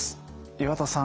岩田さん